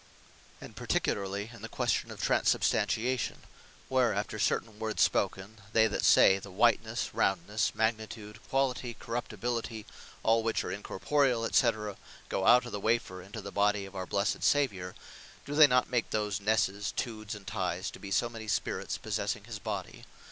And particularly, in the question of Transubstantiation; where after certain words spoken, they that say, the White nesse, Round nesse, Magni tude, Quali ty, Corruptibili ty, all which are incorporeall, &c. go out of the Wafer, into the Body of our blessed Saviour, do they not make those Nesses, Tudes and Ties, to be so many spirits possessing his body?